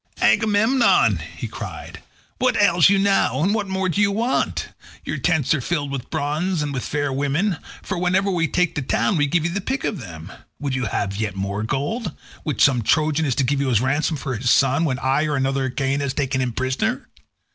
"Agamemnon," he cried, "what ails you now, and what more do you want? Your tents are filled with bronze and with fair women, for whenever we take a town we give you the pick of them. Would you have yet more gold, which some Trojan is to give you as a ransom for his son, when I or another Achaean has taken him prisoner?